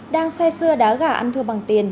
đang xe xưa đá gà ăn thua bằng tiền